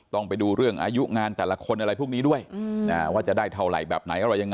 ต้องไปดูเรื่องอายุงานแต่ละคนอะไรพวกนี้ด้วยว่าจะได้เท่าไหร่